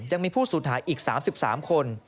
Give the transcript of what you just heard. ยังมีผู้สูญหายอีก๓๓คน